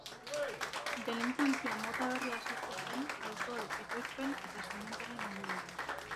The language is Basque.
Delinkuentzia mota berria sortu zen alkohol ekoizpen eta salmentaren inguruan.